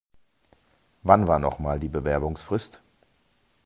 Wann war noch mal die Bewerbungsfrist?